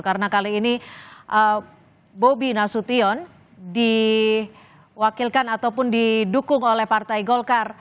karena kali ini bobi nasution diwakilkan ataupun didukung oleh partai golkar